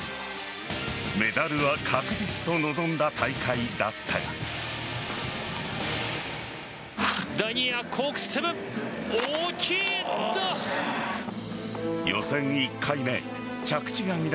メダルは確実と臨んだ大会だったが。